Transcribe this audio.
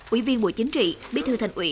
ủy viên bộ chính trị bí thư thành ủy